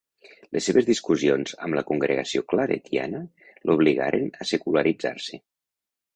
Les seves discussions amb la congregació claretiana l'obligaren a secularitzar-se.